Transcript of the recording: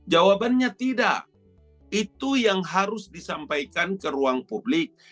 jawabannya tidak itu yang harus disampaikan ke ruang publik